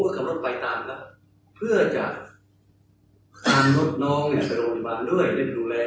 ปกติทางรถน้องก็ไปโรงพยาบาลด้วย